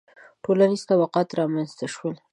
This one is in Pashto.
• ټولنیز طبقات رامنځته شول